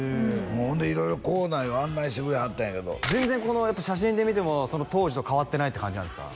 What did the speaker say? ほんで色々校内を案内してくれはったんやけど全然この写真で見ても当時と変わってないって感じなんですか？